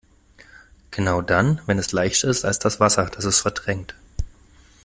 Genau dann, wenn es leichter ist als das Wasser, das es verdrängt.